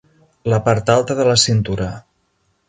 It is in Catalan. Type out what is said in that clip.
La part alta de la cintura.